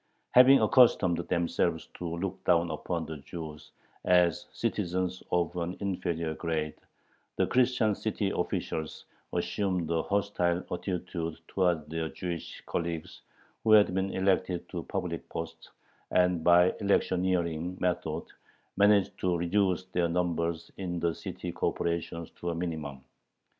Having accustomed themselves to look down upon the Jews as citizens of an inferior grade, the Christian city officials assumed a hostile attitude towards their Jewish colleagues who had been elected to public posts, and by electioneering methods managed to reduce their numbers in the city corporations to a minimum.